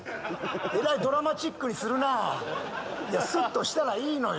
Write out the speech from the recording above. えらいドラマチックにするなぁすっとしたらいいのよ。